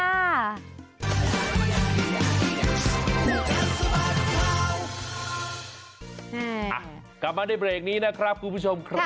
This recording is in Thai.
กลับมาในเบรกนี้นะครับคุณผู้ชมครับ